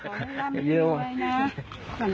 ขอให้ร่างมีรวยนะ